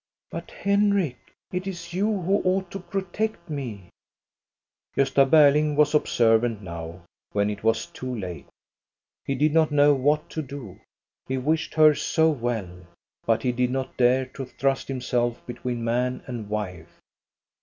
" But, Henrik, it is you who ought to protect me." Gosta Berling was observant now, when it was too late. He did not know what to do. He wished her so well. But he did not dare to thrust himself between man and wife.